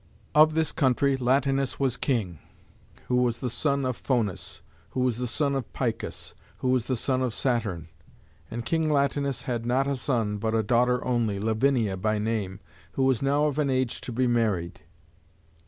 Of this country Latinus was king, who was the son of Faunus, who was the son of Picus, who was the son of Saturn. And King Latinus had not a son, but a daughter only, Lavinia by name, who was now of an age to be married.